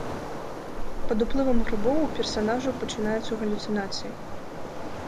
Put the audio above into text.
Пад уплывам грыбоў у персанажаў пачынаюцца галюцынацыі.